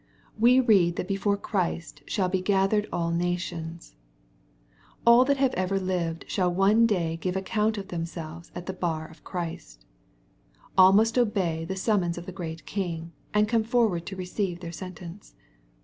We read that before ChriBt '^BbaU be gathered all nations/' All that have ever lived shall one day give accoaDt of themselves at the bar of Christ. AU must obey the summons of the great King, and come forward to receive their sentence.